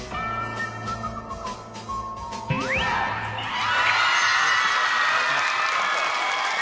あ！